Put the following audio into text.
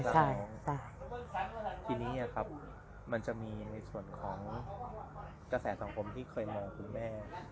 ใช่ทีนี้ครับมันจะมีในส่วนของกระแสสังคมที่เคยมองคุณแม่